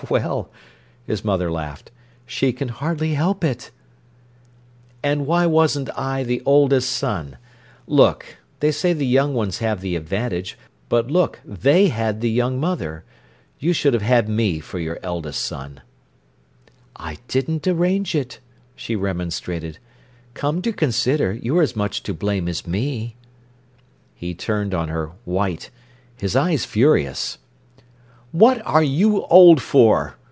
"Well," his mother laughed, "she can scarcely help it." "And why wasn't I the oldest son? Look—they say the young ones have the advantage—but look, they had the young mother. You should have had me for your eldest son." "I didn't arrange it," she remonstrated. "Come to consider, you're as much to blame as me." He turned on her, white, his eyes furious. "What are you old for!"